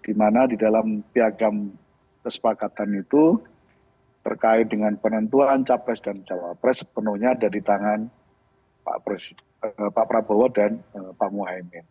dimana di dalam piagam kesepakatan itu terkait dengan penentuan capres dan jawa pres penuhnya dari tangan pak prabowo dan pak muhaymin